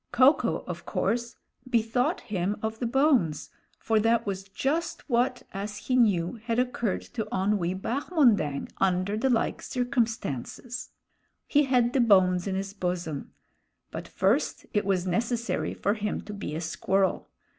Ko ko, of course, bethought him of the bones, for that was just what, as he knew, had occurred to Onwee Bahmondang under the like circumstances. He had the bones in his bosom; but first it was necessary for him to be a squirrel.